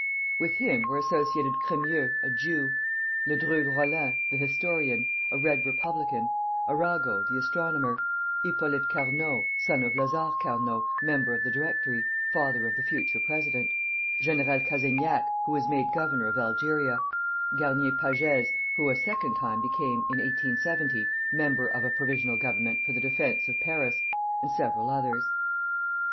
With him were associated Crémieux, a Jew; Ledru Rollin, the historian, a Red Republican; Arago, the astronomer; Hypolite Carnot, son of Lazare Carnot, Member of the Directory, father of the future president; General Casaignac, who was made governor of Algeria; Garnier Pagès, who a second time became, in 1870, member of a Provisional Government for the defence of Paris; and several others.